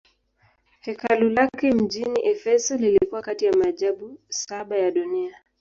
Hekalu lake mjini Efeso lilikuwa kati ya maajabu saba ya dunia.